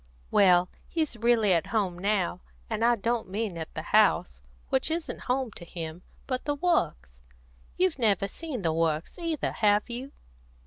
"Well, he's really at home now. And I don't mean at the house, which isn't home to him, but the Works. You've never seen the Works either, have you?"